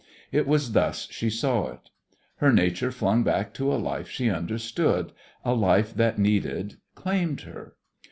It was thus she saw it. Her nature flung back to a life she understood, a life that needed, claimed her.